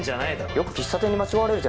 よく喫茶店に間違われるじゃない。